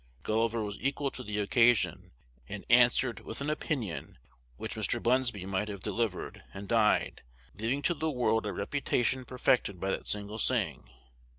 Gulliver was equal to the occasion, and answered with an opinion which Mr. Bunsby might have delivered, and died, leaving to the world a reputation perfected by that single saying.